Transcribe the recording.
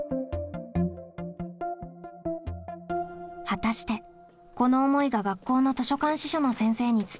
果たしてこの思いが学校の図書館司書の先生に伝わるでしょうか？